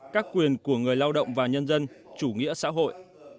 các quyền của người lao động và nhân dân chủ nghĩa xã hội